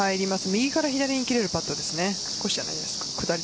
右から左に切れるパットです。